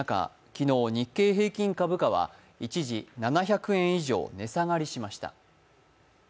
昨日、日経平均株価は、一時７００円以上値下がりしました。